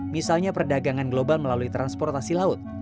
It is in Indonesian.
misalnya perdagangan global melalui transportasi laut